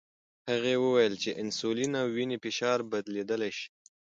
هغه وویل چې انسولین او وینې فشار بدلیدلی شي.